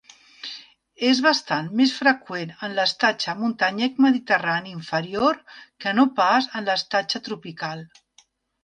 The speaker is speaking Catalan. És bastant més freqüent en l'estatge muntanyenc mediterrani inferior que no pas en l'estatge tropical.